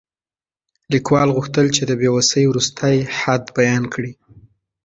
لیکوال غوښتل چې د بې وسۍ وروستی حد بیان کړي.